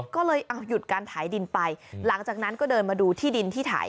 ก็เลยเอาหยุดการถ่ายดินไปหลังจากนั้นก็เดินมาดูที่ดินที่ถ่าย